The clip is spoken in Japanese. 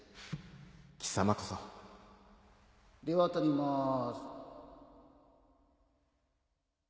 貴様こそでは撮ります